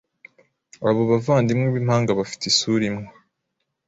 Abo bavandimwe bimpanga bafite isura imwe.